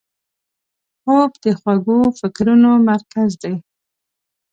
خوب د خوږو فکرونو مرکز دی